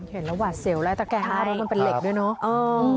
เห็นแล้วหวาดเสียวแล้วตะแกงหน้ารถมันเป็นเหล็กด้วยเนอะ